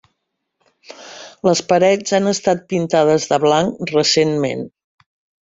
Les parets han estat pintades de blanc recentment.